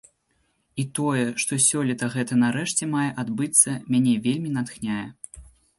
І тое, што сёлета гэта нарэшце мае адбыцца, мяне вельмі натхняе.